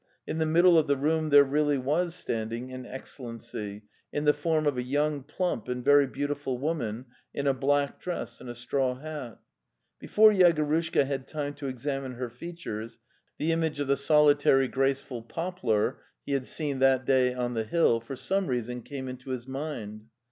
In the middle of the room there really was standing an Excellency, in the form of a young plump and very beautiful woman in a black dress and a straw hat. Before Yegorushka had time to examine her features the im age of the solitary graceful poplar he had seen that day on the hill for some reason came into his mind.